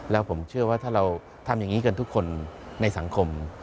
แล้วผมเชื่อว่าถ้าเราทำอย่างนี้กันทุกคนในสังคม